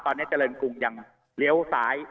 ตอนนี้เจริญกรุงยังเลี้ยวซ้าย